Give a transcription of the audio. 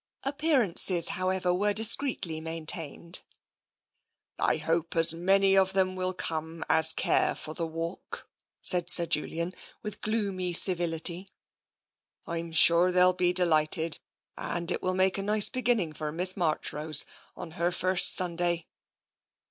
Appearances, however, were discreetly maintained. " I hope as many of them will come as care for the walk," said Sir Julian, with gloomy civility. I am sure they will be delighted, and it will make a nice beginning for Miss Marchrose on her first Sun day."